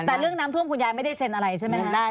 แต่เรื่องน้ำท่วมคุณยายไม่ได้เซ็นอะไรใช่ไหม